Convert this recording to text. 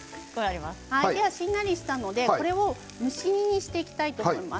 しんなりしたのでこれを蒸し煮にしていきたいと思います。